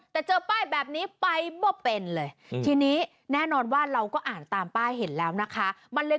แต่เจอป้ายแบบนี้ไปบ่เป็นเลยทีนี้แน่นอนว่าเราก็อ่านตามป้ายเห็นแล้วนะคะ